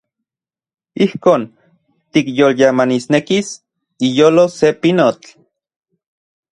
Ijkon tikyolyamanisnekis iyolo se pinotl.